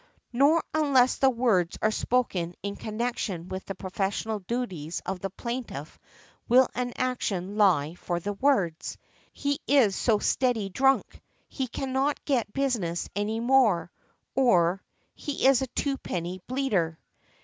Nor unless the words are spoken in connection with the professional duties of the plaintiff will an action lie for the words, "He is so steady drunk, he cannot get business any more;" or "He is a twopenny bleeder" .